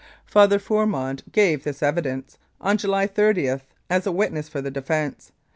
Father Fourmond gave this evidence on July 30 as a witness for the defence.